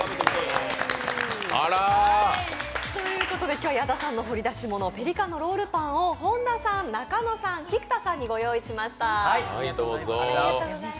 今日は矢田さんの掘り出し物ペリカンのロールパンを本田さん、中野さん、菊田さんにご用意しました。